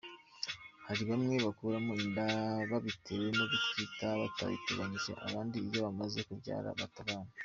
Hari bamwe bakuramo inda babitewe no gutwita batabiteganyije, abandi iyo bamaze kubyara bata abana.